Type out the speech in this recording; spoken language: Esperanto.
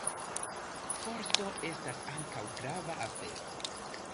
Forsto estas ankaŭ grava afero.